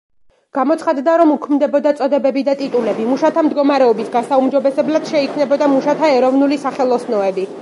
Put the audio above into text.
გამოცხადდა, რომ უქმდებოდა წოდებები და ტიტულები, მუშათა მდგომარეობის გასაუმჯობესებლად შეიქმნებოდა მუშათა ეროვნული სახელოსნოები.